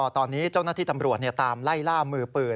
ตอนนี้เจ้าหน้าที่ตำรวจตามไล่ล่ามือปืน